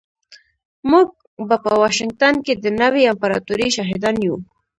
موږ به په واشنګټن کې د نوې امپراتورۍ شاهدان یو